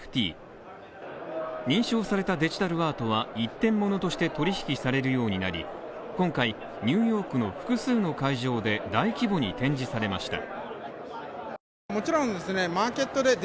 認証されたデジタルアートは一点物として取引きされるようになり、今回、ニューヨークの複数の会場で大規模に展示されました。